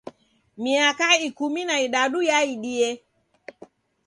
Miaka ikumi na idadu yaidie.